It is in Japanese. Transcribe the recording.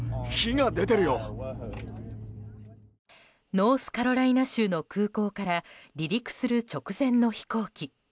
ノースカロライナ州の空港から離陸する直前の飛行機。